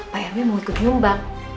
pak rw mau ikut nyumbang